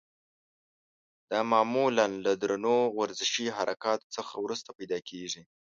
دا معمولا له درنو ورزشي حرکاتو څخه وروسته پیدا کېږي.